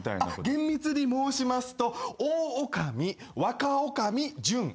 厳密に申しますと大女将若女将準女将。